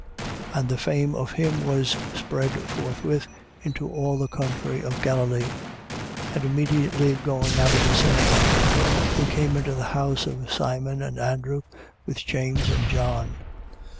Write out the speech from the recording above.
1:28. And the fame of him was spread forthwith into all the country of Galilee. 1:29. And immediately going out of the synagogue they came into the house of Simon and Andrew, with James and John.